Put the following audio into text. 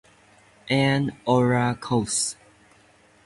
And "ora" "coast".